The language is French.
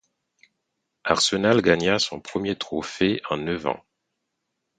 Arsenal gagna son premier trophée en neuf ans.